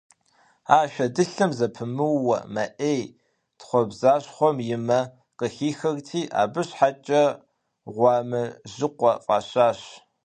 А шэдылъэм зэпымыууэ мэ Ӏей, тхъуэбзащхъуэм и мэ къыхихырти, абы щхьэкӀэ «Гъуамэжьыкъуэ» фӀащащ.